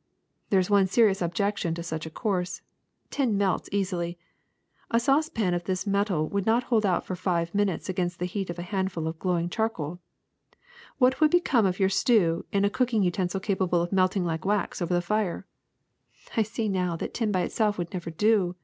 *^ There is one serious objection to such a course: tin melts easily. A saucepan of this metal would not hold out for five minutes against the heat of a handful of glowing charcoal. What would become of your stew in^ a cooking utensil capable of melting like wax over the fire!" *^I see now that tin by itself would never do."